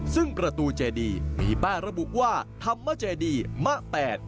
ซึ่งประตูเจดีมีป้ายระบุว่าธรรมเจดีมะแปด